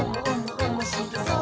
おもしろそう！」